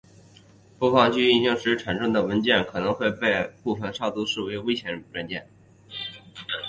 播放器运行时产生的文件可能会被部分杀毒软件识别为危险文件。